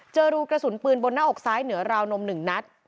เจอรูกระสุนปืนในบนหน้าอกที่ซ้ายเหนือราวนมหนึ่งหนัฐ